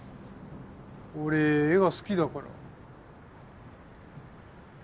俺絵が好きだから。